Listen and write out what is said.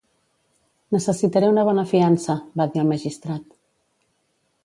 "Necessitaré una bona fiança", va dir el magistrat.